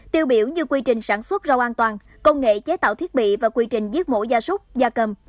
tiêu biểu như quy trình sản xuất rau an toàn công nghệ chế tạo thiết bị và quy trình giết mổ gia súc gia cầm